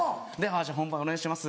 「じゃあ本番お願いします」